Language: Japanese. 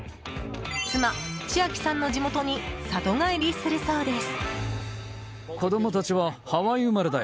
妻・千晶さんの地元に里帰りするそうです。